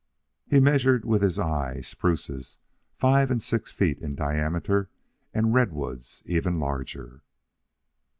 He measured with his eye spruces five and six feet in diameter and redwoods even larger.